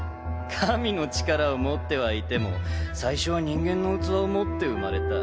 神の力を持ってはいても最初は人間の肉体を持って生まれた。